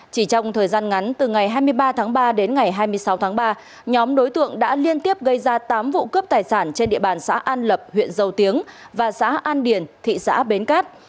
chỉ trong thời gian ngắn từ ngày hai mươi ba tháng ba đến ngày hai mươi sáu tháng ba nhóm đối tượng đã liên tiếp gây ra tám vụ cướp tài sản trên địa bàn xã an lập huyện dầu tiếng và xã an điền thị xã bến cát